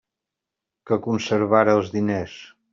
Que conservara els diners!